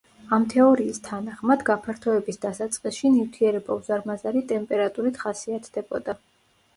ამ თეორიის თანახმად, გაფართოების დასაწყისში ნივთიერება უზარმაზარი ტემპერატურით ხასიათდებოდა.